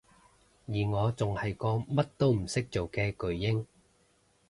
而我仲係個乜都唔做嘅巨嬰